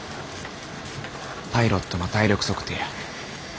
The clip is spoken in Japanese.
パイロットの体力測定や。